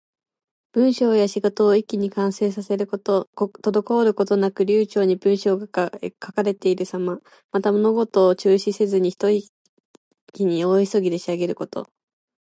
文章や仕事を一気に完成させること。滞ることなく流暢に文章が書かれているさま。また、物事を中断せずに、ひと息に大急ぎで仕上げること。